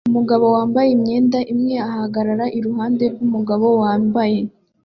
Umugabo wambaye imyenda imwe ahagarara iruhande rwumugabo wambaye